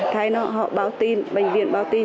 thấy nó họ báo tin bệnh viện báo tin